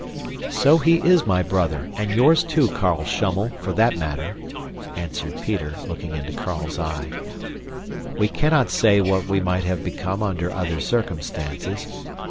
"So he is my brother, and yours too, Carl Schummel, for that matter," answered Peter, looking into Carl's eye. "We cannot say what we might have become under other circumstances.